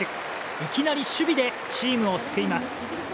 いきなり守備でチームを救います。